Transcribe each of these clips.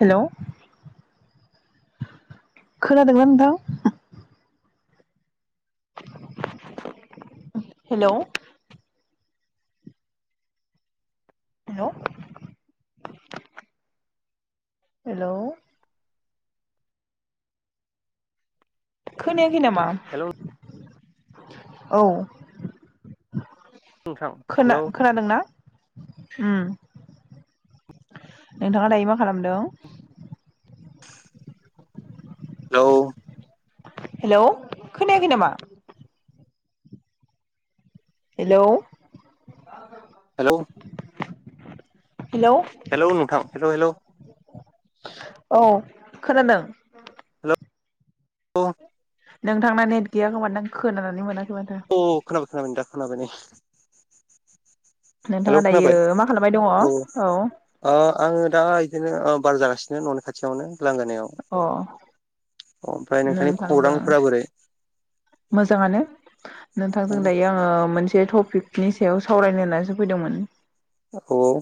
Hello खोनादोंना नोंथां hello hello hello खोनायाखै नामा हेलौ औ नोंथां खोना हेलौ खोनादोंना उम नोंथाङा दायो मा खालामदों? [unintelligible] औ हेल' खोनायाखै नामा? हेलौ हेलौ हेलौ हेलौ नोंथां हेल' हेल' औ खोनादों। औ नोंथांना नेट गैया खोमा नों खोनानानै मोना अ खोनाबाय खोनाबाय नोंथां खोनाबाय नै। हेलौ नोंथाङा दायो खोनाबाय मा खालामबाय दङ? औ ओ आङो दा इदिनो ओब बार जागासिनो न'नि खाथियावनो। लांगोनायाव अ ओमफ्राय नोंथांनि नोंथांजों खौरांफोरा बोरै? मोजाङानो नोंथांजों दायो आङो मोनसे थप नि सायाव सावरायनो होननानैसो फैदोंमोन। औ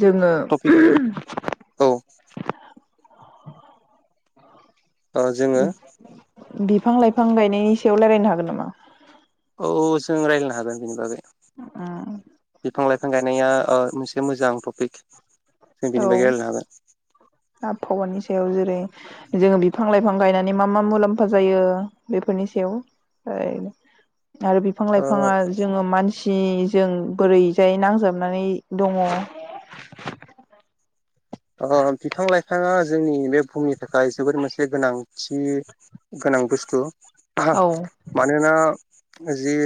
जोङो टपिक उम औ ओ जोङो बिफां लाइफां गायनायनि सायाव रायजलायनो हागोन नामा? औ जों रायज्लायनो हागोन बेनि बागै। उम थांगायनाया ओ मोनसे मोजां टपिक। जों औ बिनि बागै रायलायनो हागोन। बेयाव जेरै जों बिफां लाइ बिफां गायनानै मा मा मुलाम्फा जायो बेफोरनि सायाव आरो बिफां लाइफाङा हागोन जोङो मान सि जों बोरैजाय नांजाबनानै दङ। अ बिफां लाइफाङा जोंनि बे बुहुमनि थाखाय जोबोर मोनसे गोनांथि गोनां बुस्थु। हा औ मानोना जि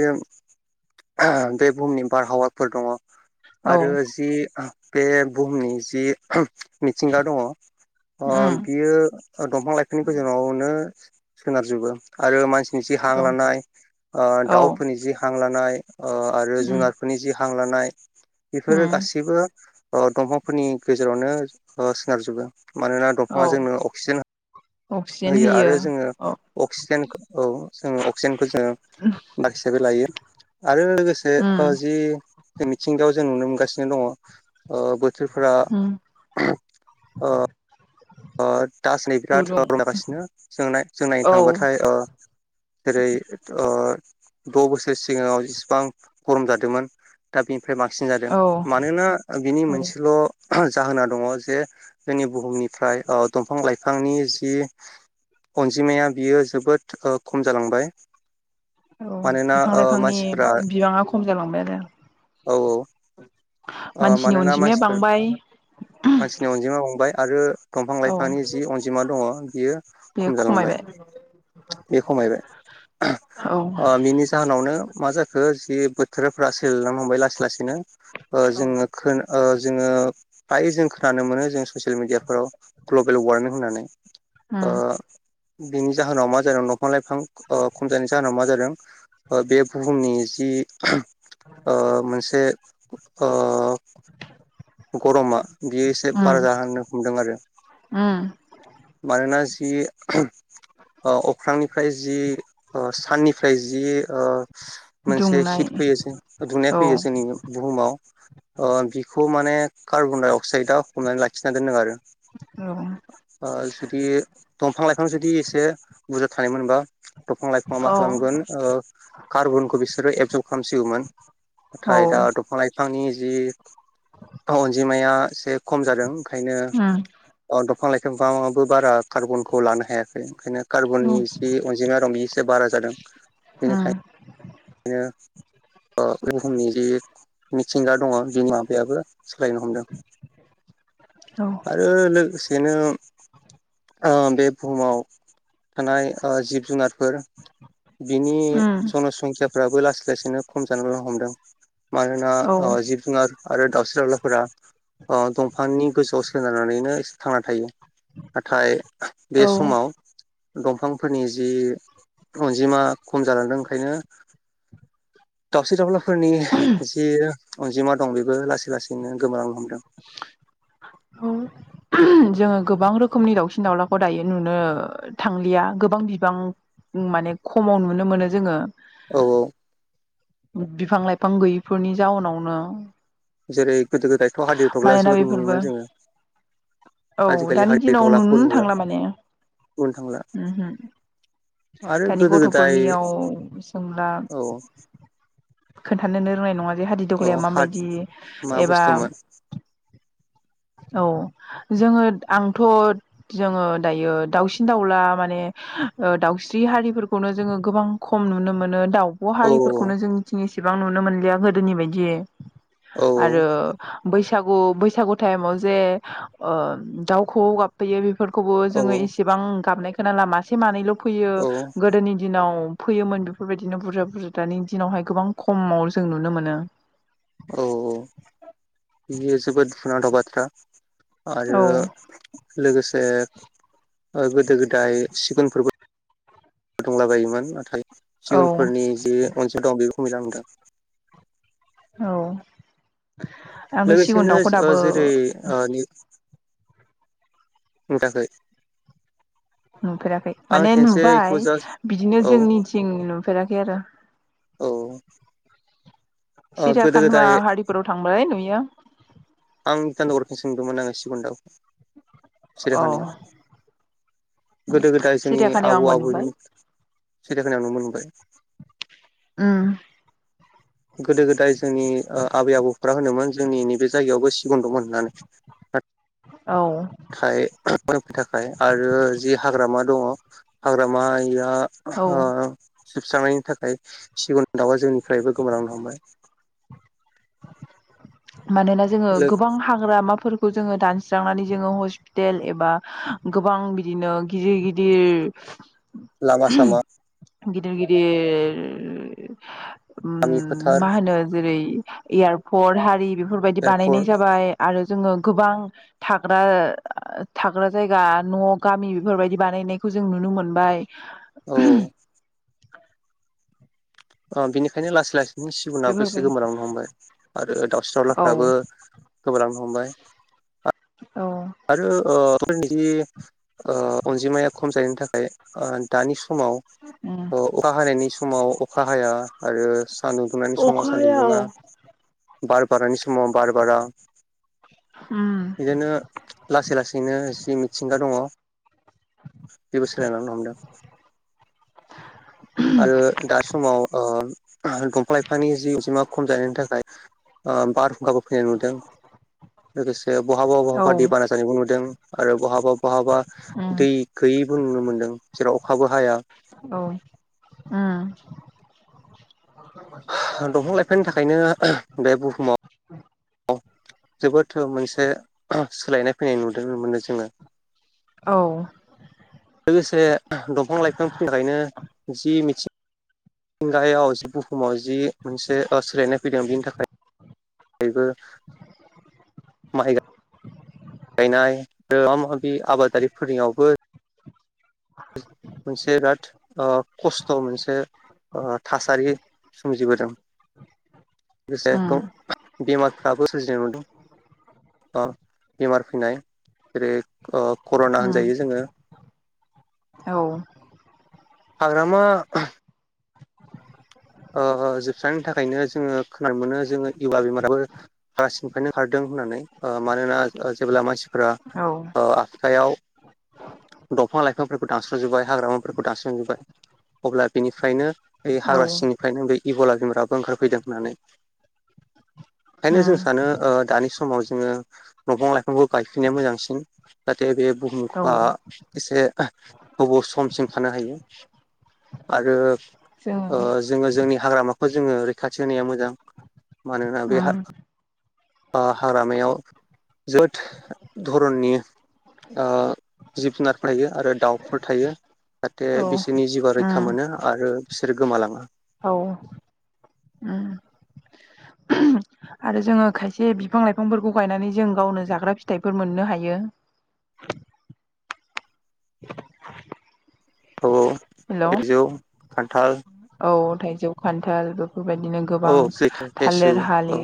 बे बुहुमनि बारहावाफोर दङ। आरो जि बे बुहुमनि जि मिथिंगा दङ अ उम बियो दंफां लाइफांनि गेजेरावनो सोनारो। जोबो आरो मानसिनि जि हां औ लानाय ओ औ दाउफोरनि जि हां लानाय ओ आरो उम जुनारफोरनि जि हां लानाय बेफोरो उम गासैबो ओ दंफांफोरनि गेजेरावनो ओ सोनारजोबो मानोना औ दंफाङा जोंनो अक्सिजेन होयो आरो जोङो औ अक्सिजेनखौ औ जोङो अक्सिजेनखौ जोङो बाखिसाबो लायो आरो लोगोसे उम जि मिथिंगायाव जों नुनो मोनगासिनो दङ ओ बोथोरफोरा उम ओ अ दासान्दि बिराद गुदुं [unintelligible] गासिनो जों जों नायनो औ थांबाथाय ओ जेरै ओ द' बोसोर सिगाङाव इसिबां गरम जादोंमोन दा बे फ्राय बांसिन जादों औ मानोना बिनि औ मोनसेल' जाहोना दङ जे जोंनि बुहुमनिफ्राय ओ दंफां लाइफांनि जि अनजिमाया बियो जोबोद ओ खम जालांबाय। औ मानोना बिफां ओ लाइफांनि मानसिफोरा बिबाङा खम जालांबाय आरोे। औ औ ओ मानोना अनजिमाया मानसिफोर बांबाय मानसिनि अनजिमा बांबाय आरो दंफां- औ लाइफांनि जि अनजिमा दङ बियो बे खम जालांबाय खमायबाय बे खमायबाय औ ओ बिनि जाहोनावनो मा जाखो जि बोथोरफोरा सोलायलां बाय लासै -लासै नो ओ औ जोङो खो ओ जोङो बाय जोङो खोनानो मोनो जोंनि ससे येल मिडियाफोराव ग्लबेल वारमिं होनानै उम बिनि जाहोनाव मा जादों दंफां -लाइफां खम जानायनि जाहोनाव मा जादों बे बुहुमनि जि ओ मोनसे ओ गरमा बियो एसे बारा उम जा हांनो हमदों आरो उम मानोना जि अख्रांनिफ्राय जि साननिफ्राय जि मोनसे दुंनाय हित फैयो जों दुनाय औ फैयो जोंनि बुहुमाव बिखौ मान माने कार्बन -डाइ -अक्साइदा हमनानै लाखिना दोनदों आरो औ जुदि दंफां लाइफां जुदि एसे बुरजा थानायमोनबा दंफां -लाइफाङा मा औ खालामगोन कार्बनखौ बिसोरो एबजर्ब ओ खालामसिगौमोन औ नाथाय दा उम दंफां -लाइफांनि जि अनजिमाया एसे खम जादों ओंखायनो गो बिफां- लाइफांफोराबो बारा कार्बनखौ लानो हायाखै ओंखायनो उम औ कार्बननि जि अनजिमा रं बे एसे बारा जादों बेनिखायनो बिदिनो ओ बुहुमनि जि मिथिंगा दङ बि माबायाबो सोलायनो हमदों [inaudible] आरो लोगोसेनो बे बुहुमाव थानाय जिब -जुनारफोर बिनि उम जनसंख्याफ्राबो लासै- लासैनो खम जानानैनो हमदों मानोना औ ओ जिब -जुनार आरो दाउस्रि - दावउलाफोरा दंफांनि गोजौआव सोनारनानैनो एसे थांना थायो नाथाय औ बे समाव दंफांफोरनि जि अनजिमा खम जालांदों ओंखायनो दावसिन -दाउलाफोरनि जि अनजिमा दं बेबो लासै -लासैनो गोमोरलांनो हमदों औ जोङो गोबां रोखोमनि दाउसिन -दाउलाखौ दायो नुनो थांलिया गोबां बिबां माने खमाव नुनो मोनो जोङो औ -औ बिफां -लाइफां गैयिफोरनि जाउनावनो जेरै गोदो -गोदायथ' हादिदग्ला मानोना जोबोद बेफोरबो नुयोमोन जोङो औ आजिखालि दानि हादिर दिनाव थग्लाखौबो नुनो नुला थांला माने बुंनो थांला आरो दानि गोदो गोदाय गथ'फोरनियाव जोंब्ला औ खोनथ साननोनो रोंनाय नङा जे हादि औ दग्लाया हाथ माबायदि मा एबा बुस्थुमोन औ जोङो आंथ' जोङो दायो दाउसिन दाउला माने दाउ दावउस्रि हारिफोरखौनो जोङो गोबां खम नुनो मोनो दाउ ब' औ हारिफोरखौनो जोंथिं इसेबां नुनो मोनलिया गोदोनि बायदि। औ आरो बैसागु - बैसागु टाइमाव जे ओ दाउ खौऔ गाबफैयो बेफोरखौबो औ जोङो इसेबां गाबनाय खोनाला मासे मानैल' फैयो औ गोदोनि दिनाव फैयोमोन बेफोरबायदिनो बुरजा- बुरजा दानि दिनावहाय गोबां खमाव जों नुनो मोनो। औ- औ बियो जोबोद दुखुनांथाव बाथ्रा। आरो औ लोगोसे गोदो -गोदाय सिगुनफोरबो फुदुंला बायोमोन नाथाय औ सिगुनफोरनि जे अनसुं दं बेफोरखौ [unintelligible] औ आंथ' सिगुन लोगोसेनो दाउखौ ओ दाबो जेरै ओ थाखै नुफेराखै माने नुबाय बेखौ जास्ट बिदिनो औ औ जोंनिथिं नुफेराखै आरो ओ गोदो सिरियाकाना गोदाय हारिफोराव थांबालाय नुयो। आं [unintelligible] खौनो सोंदोंमोन आं सिगुन दाव औ सिरियाकानायाव गोदो गोदाय जोंनि सिरियाखानायाव आबौ आंबो नुबाय आबैमोननि सिरियाकानायाव नुनो मोनबाय। ओम। गोदो गोदाय जोंनि ओ आबै आबौफोरा होनोमोन जोंनि नैबे जायगायावबो सिगुन दंमोन होननानै। औ। थ थाखाय आरो जि हाग्रामा दङ हाग्रामाया औ आ ओ जोबस्रांनायनि थाखाय सिगुन दाउआ जोंनिफ्रायबो गोमालांनो हमबाय। मानोना जोङो गोबां हाग्रामाफोर खौ जोङो दानस्रांनानै जोङो हस्पिटेल एबा गोबां बिदिनो गिदिर लामा गिदिर सामा गिदिर गिदिर गामि मा फोथार होनो जेरै एयारपर्ट हारि बेफोरबायदि बानायनाय एयारपर्ट जाबाय आरो जोङो गोबां थाग्रा थाग्रा जायगा न' गामि बेफोरबायदि बानायनायखौ जों नुनो मोनबाय। औ अ बिनिखायनो लासै लासै बिनि सिगुनाबो एसे बेफोरबाय गोमोरांनो हमबाय आरो दावउस्रि दावलाफ्राबो औ गोमालां हमबाइ। औ आरो ओ फोरनि ओ अनजिमाया खम जानायनि थाखाय दानि सु समाव उम अखा हानायनि समाव अखा हाया आरो सान्दुं दुंनायनि उम समाव सान्दुं दुङा बार बारनायनि समाव बार बारा। होम। बिदिनो लासै लासैनो जि मिथिंगा दङ बेबो सोलायलांनो हमदों। आरो दा समाव ओ दंफां लाइफांनि जि अजिमा खम जानायनि थाखाय बारहुंखाबो फैनाय नुदों। लोगोसे बहाबा औ उम औ बहाबा दैबाना जानायबो नुदों आरो बहाबा बहाबा उम दै गैयिबो नुनो मोन्दों जेराव अखाबो हाया। औ उम। दंफां लाइफांनि थाखायनो बे बुहुमाव जोबोद थो मोनसे सोलायनाय फैनाय नुदों मोनो जोङो। उम लोगोसे दंफां लाइफांफोरनि थाखायनो जि मिथिं मिथिंगायाव जि बुहुमाव जि मोनसे सोलायनाय फैदों बिनि थाखाय बेबो माइ गाइ गायनाय आरो माबा माबि आबादारिफोरनियावबो [inaudible] मोनसे बिराद खस्थ' मोनसे थासारि सोमजिबोदों। [inaudible] लोगोसे उम बेमारफ्राबो सोमजिनाय नुदों। अ बेमार फैनाय जेरै ओ कर'ना होनजायो जोङो। औ हाग्रामा‌ ओ जोबस्रांनायनि थाखायनो जोङो खोनानो मोनो जोङो इयवा बेमाराबो [unintelligible] खारदों। होननानै मानोना जेब्ला मानसिफोरा ओ आखायाव दंफां लाइफांफोरखौ दानस्र'जोब्बाय हाग्रामाफोरखौ दानस्र'जोबबाय अब्ला बिनिफ्रायनो औ हाग्रा सिंनिफ्रायनो बे इबला बिमाराबो ओंखारफैदों होननानै। ओंखायनो जों उम सानो दानि समाव जोङो दंफां लाइफांखौ गायफिनाया मोजांसिन। जाहाथे बे बुहुम औ आ एसे गोबाव समसिम थानो हायो आरो जों ओ जोङो जोंनि हाग्रामाखौ जोङो रैखाथि होनाया मोजां मानोना बे उम ओ हाग्रामायाव जोबोद धरननि ओ जि जुनारफोर थायो आरो दाउफोर थायो। जाहाथे औ बिसोरनि जिउआ रैखा उम मोनो आरो बिसोरो गोमालाङा। औ। उम आरो जोङो खायसे बिफां लाइफांफोरखौ गायनानै जों गावनो जाग्रा फिथाइफोर मोननो हायो। [inaudible] औ औ हेल' थाइजौ, खान्थाल औ थाइजौ, खान्थाल। फोर बायदिनो गोबां औ सैथो लेसु थालिरआरि औ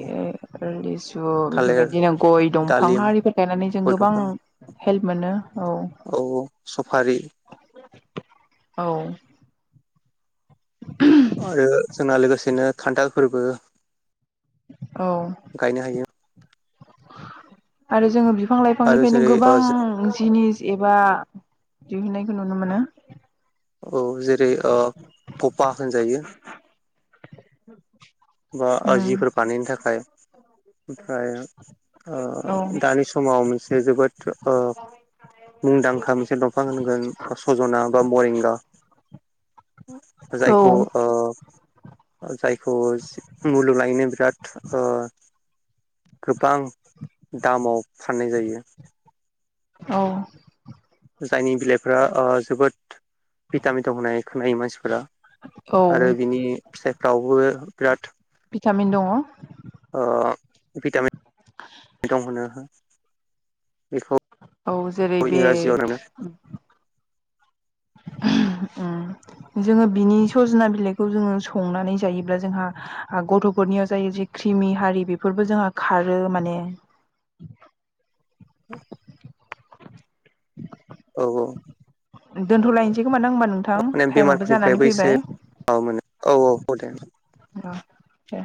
लिसु बेफोर थालिर बायदिनो गय दं दालिम फांखा आरिफोर गायनानै जों गय गोबां दंफां हेल्प मोनो औ। औ सफारि औ। आरो जोंना लोगोसेनो खान्थाल फोरबो औ गायनो हायो। आरो जोङो बिफां आरो लाइफांनिफ्रायनो जेरै गोबां ओ जिनिस एबा दिहुननायखौ नुनो मोनो। औ जेरै कपा होनजायो। बा उम आजिफोर बानायनो थाखाय। ओमफ्राय ओ औ दानि समाव मोनसे जोबोद ओ मुंदांखा मोनसे दंफां होनगोन सजना बा मरेंगा। औ जायखौ ओ जायखौ मुलुग लायनो बिराद ओ गोबां दामाव फाननाय जायो। औ। जायनि बिलाइफ्रा ओ जोबोद भिटामिन दं होनाय खोनायो मानसिफोरा। औ आरो बिनि फिथाइफ्रावबो बिराद भिटामिन दङ' ओ भिटामिन दं होनो बेखौ औ जेरै बे इंराजियाव होनो उम जोङो बिनि सजना बिलाइखौ जोङो संनानै जायोब्ला जोंहा गथ' गरनियाव जायो जे क्रिमि हारि बेफोरबो जोंहा खारो माने बे औ औ दोनथ'लायनोसै खोमा ना होमबा नोंथां माने टाइमाबो जानानै बेमारफोरनिफ्रायबो एसे फैबाय औ मोनो औ औ ह दे। दे